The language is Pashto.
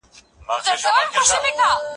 زه به درسونه اورېدلي وي.